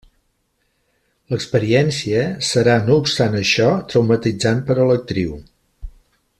L'experiència serà no obstant això traumatitzant per a l'actriu.